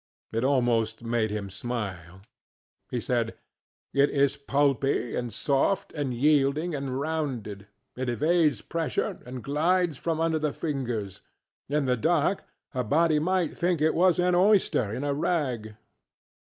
It almost made him smile. He said, ŌĆ£It is pulpy, and soft, and yielding, and rounded; it evades pressure, and glides from under the fingers; in the dark a body might think it was an oyster in a rag.